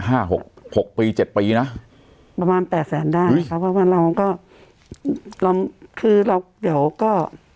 หกหกปีเจ็ดปีนะประมาณแปดแสนได้ครับเพราะว่าเราก็เราคือเราเดี๋ยวก็